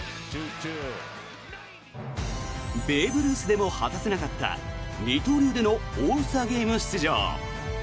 ベーブ・ルースでも果たせなかった二刀流でのオールスターゲーム出場。